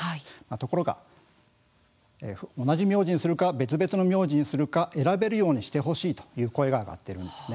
ところが、同じ名字にするか別々の名字にするか選べるようにしてほしいという声が上がっているんです。